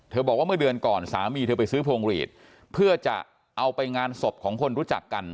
บอกว่าเมื่อเดือนก่อนสามีเธอไปซื้อพวงหลีดเพื่อจะเอาไปงานศพของคนรู้จักกัน